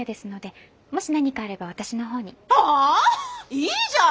いいじゃん。